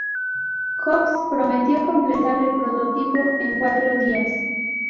Jobs prometió completar el prototipo en cuatro días.